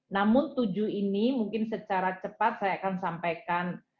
namun tujuh ini mungkin secara cepat saya akan sampaikan